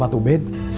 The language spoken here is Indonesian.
nanti bisa ikut ketemu